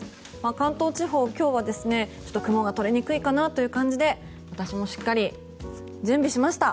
関東地方、今日は雲が取れにくいかなという感じで私もしっかり準備しました。